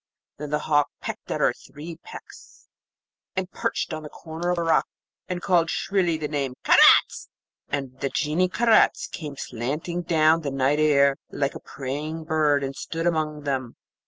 Then the hawk pecked at her three pecks, and perched on a corner of rock, and called shrilly the name 'Karaz!' And the Genie Karaz came slanting down the night air, like a preying bird, and stood among them.